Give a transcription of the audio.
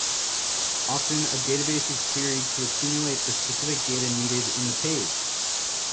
Often a database is queried to accumulate the specific data needed in the page.